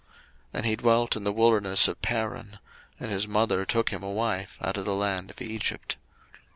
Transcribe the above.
01:021:021 And he dwelt in the wilderness of Paran: and his mother took him a wife out of the land of Egypt.